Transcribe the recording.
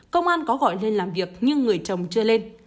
công an có gọi lên làm việc nhưng người chồng chưa lên